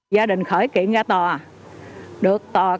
gia đình khởi kiện ra tòa được tòa cấp